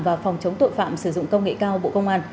và phòng chống tội phạm sử dụng công nghệ cao bộ công an